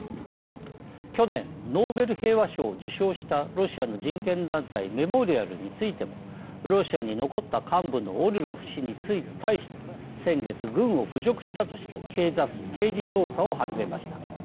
去年、ノーベル平和賞を受賞したロシアの人権団体メモリアルについてもロシアに残った幹部のオルロフ氏に対して先月、軍を侮辱したとして刑事捜査を始めました。